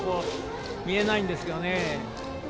見えないんですよね。